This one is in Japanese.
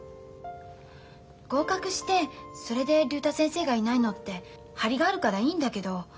合格してそれで竜太先生がいないのって張りがあるからいいんだけど。